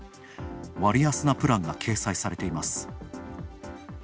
割安なプランが掲載されています。